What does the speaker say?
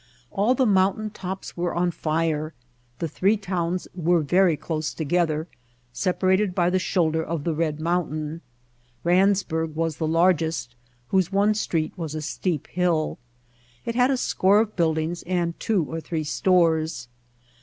All the mountain tops were on fire. The three towns were very close together, separated by the shoul der of the red mountain. Randsburg was the largest, whose one street was a steep hill. It had a score of buildings and two or three stores.